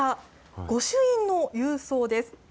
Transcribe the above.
御朱印の郵送です。